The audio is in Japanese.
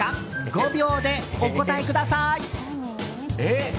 ５秒でお答えください。